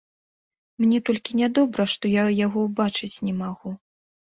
Мне толькі нядобра, што я яго ўбачыць не магу.